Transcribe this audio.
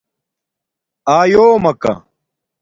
آیݸمکہ